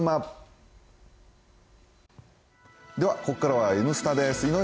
ここからは「Ｎスタ」です。